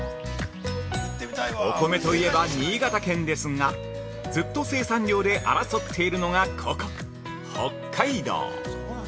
◆お米といえば新潟県ですがずっと生産量で争っているのがここ、北海道！